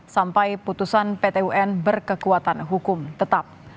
sampai putusan pt un berkekuatan hukum tetap